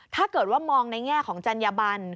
ถ้าเกิดว่ามองในแง่ของจัญญบัน